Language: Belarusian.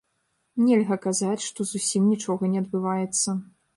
Нельга казаць, што зусім нічога не адбываецца.